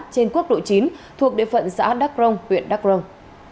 trên quốc độ chín thuộc địa phận xã đắc rông huyện đắc rông